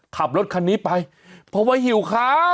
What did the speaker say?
ขับรถคันนี้ไปเพราะว่าหิวครับ